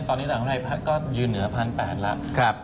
ตอนนี้ตลาดภายในภาคก็ยืนเหนือ๑๘๐๐ล้าน